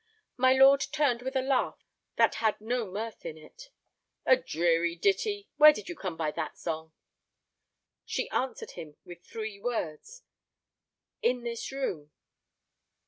My lord turned with a laugh that had no mirth in it. "A dreary ditty. Where did you come by the song?" She answered him with three words. "In this room."